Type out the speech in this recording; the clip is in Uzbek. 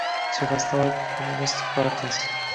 Chexoslovakiya Kommunistik partiyasi